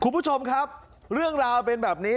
คุณผู้ชมครับเรื่องราวเป็นแบบนี้